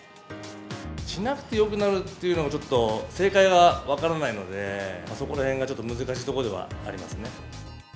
しなくてよくなるっていうのも、ちょっと正解が分からないので、そこらへんがちょっと難しいところではありますね。